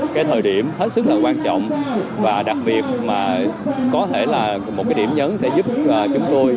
một cái điểm hết sức là quan trọng và đặc biệt mà có thể là một cái điểm nhấn sẽ giúp chúng tôi